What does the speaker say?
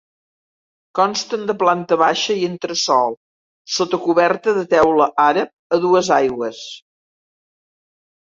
Consten de planta baixa i entresòl sota coberta de teula àrab a dues aigües.